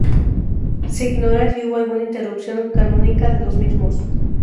Se ignora si hubo alguna interrupción canónica de los mismos.